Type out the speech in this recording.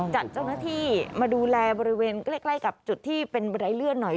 จัดเจ้าหน้าที่มาดูแลบริเวณใกล้กับจุดที่เป็นบันไดเลื่อนหน่อย